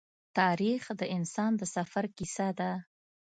تاریخ د انسان د سفر کیسه ده.